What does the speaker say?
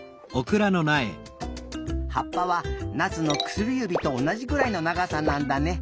はっぱはなつのくすりゆびとおなじぐらいのながさなんだね。